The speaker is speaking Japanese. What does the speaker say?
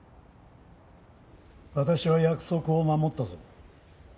私は約束を守ったぞ。